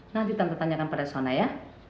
nanti tante tanyakan pada sona ya